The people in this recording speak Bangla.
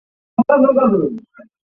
মূল বাহিনী আসছিল অগ্রগামী বাহিনীর পিছনে।